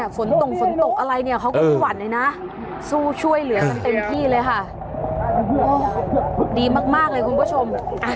ฝนตกฝนตกอะไรเนี่ยเขาก็ไม่หวั่นเลยนะสู้ช่วยเหลือกันเต็มที่เลยค่ะดีมากเลยคุณผู้ชม